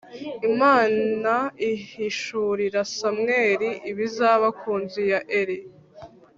Imana ihishurira Samweli ibizaba ku nzu ya Eli